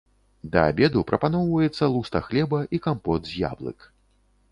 Да абеду прапаноўваецца луста хлеба і кампот з яблык.